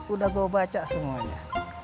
udah gue baca semuanya